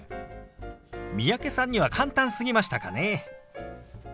三宅さんには簡単すぎましたかね。